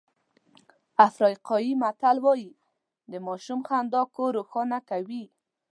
افریقایي متل وایي د ماشوم خندا کور روښانه کوي.